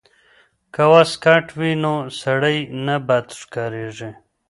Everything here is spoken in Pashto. که واسکټ وي نو سړی نه بد ښکاریږي.